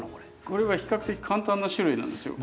これは比較的簡単な種類なんですよ。